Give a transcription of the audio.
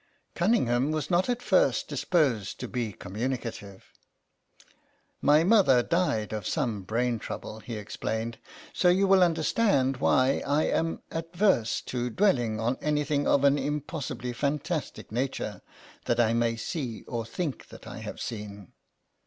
Cunningham was not at first disposed to be communicative. " My mother died of some brain trouble," he explained, " so you will understand why I am averse to dwelling on anything of an impossibly fantastic nature that I may see or think that I have seen."